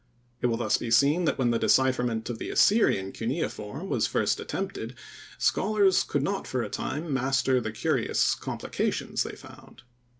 It will thus be seen that when the decipherment of the Assyrian cuneiform was first attempted, scholars could not for a time master the curious complications they found.